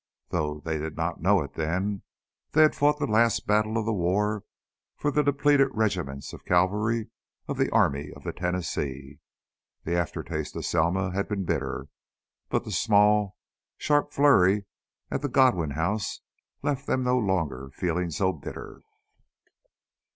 Though they did not know it then, they had fought the last battle of the war for the depleted regiments of cavalry of the Army of the Tennessee. The aftertaste of Selma had been bitter, but the small, sharp flurry at the Godwin house left them no longer feeling so bitter.